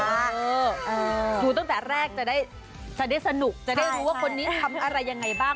เออดูตั้งแต่แรกจะได้สนุกจะได้รู้ว่าคนนี้ทำอะไรยังไงบ้าง